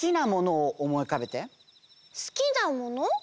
すきなもの？